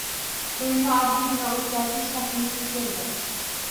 To'yni oddiygina o'tkazish taklifi keldi.